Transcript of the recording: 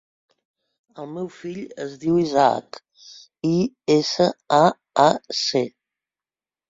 El meu fill es diu Isaac: i, essa, a, a, ce.